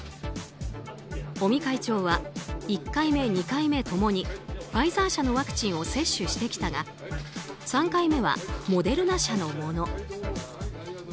尾身会長は、１回目、２回目共にファイザー社のワクチンを接種してきたが３回目はモデルナ社のもの。